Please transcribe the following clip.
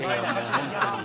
本当に。